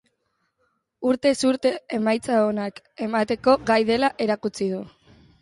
Urtez urte emaitza onak emateko gai dela erakutsi du.